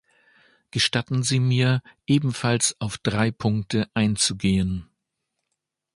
Gestatten Sie mir, ebenfalls auf drei Punkte einzugehen.